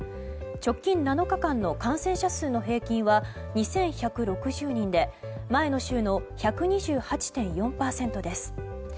直近７日間の感染者数の平均は２１６０人で前の週の１２８．４％です。